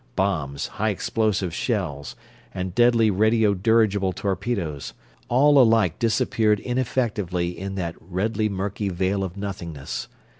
Bombs, high explosive shells, and deadly radio dirigible torpedoes all alike disappeared ineffective in that redly murky veil of nothingness.